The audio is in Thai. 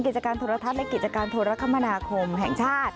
กิจการโทรทัศน์และกิจการโทรคมนาคมแห่งชาติ